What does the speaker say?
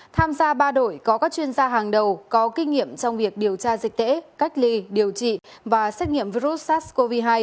tham gia ba đội có các chuyên gia hàng đầu có kinh nghiệm trong việc điều tra dịch tễ cách ly điều trị và xét nghiệm virus sars cov hai